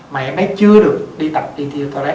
mà em bé chưa được đi tập đi thiêu toilet